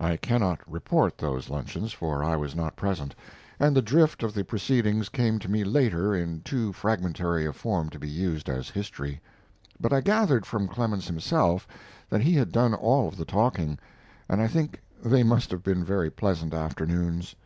I cannot report those luncheons, for I was not present, and the drift of the proceedings came to me later in too fragmentary a form to be used as history; but I gathered from Clemens himself that he had done all of the talking, and I think they must have been very pleasant afternoons.